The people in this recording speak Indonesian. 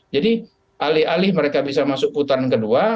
jadi alih alih mereka bisa masuk putaran kedua